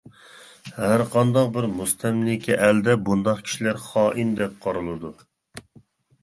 ھەرقانداق بىر مۇستەملىكە ئەلدە بۇنداق كىشىلەر خائىن دەپ قارىلىدۇ.